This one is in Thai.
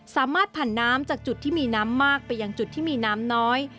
ผ่านน้ำจากจุดที่มีน้ำมากไปยังจุดที่มีน้ำน้อย